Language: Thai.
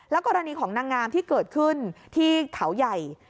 กรณีของนางงามที่เกิดขึ้นที่เขาใหญ่